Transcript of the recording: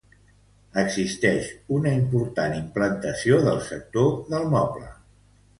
Existeix una important implantació del sector del moble.